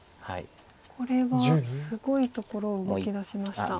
これはすごいところを動きだしました。